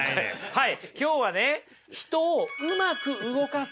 はい。